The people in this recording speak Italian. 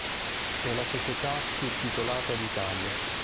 È la società più titolata d'Italia.